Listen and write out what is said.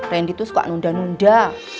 randy itu suka nunda nunda